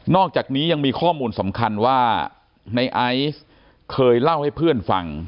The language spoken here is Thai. อกจากนี้ยังมีข้อมูลสำคัญว่าในไอซ์เคยเล่าให้เพื่อนฟัง